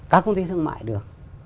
các công ty thương mại được